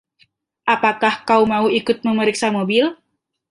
Apakah kau mau ikut memeriksa mobil?